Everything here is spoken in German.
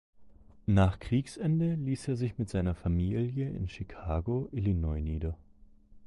Nach Kriegsende ließ er sich mit seiner Familie in Chicago, Illinois nieder.